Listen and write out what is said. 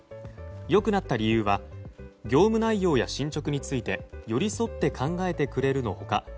良くなった理由は業務内容や進捗について寄り添って考えてくれるの他